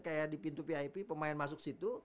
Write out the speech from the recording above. kayak di pintu pip pemain masuk situ